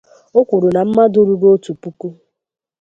O kwuru na mmadụ ruru ótù puku